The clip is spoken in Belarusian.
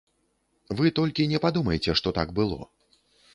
Вы толькі не падумайце, што так было.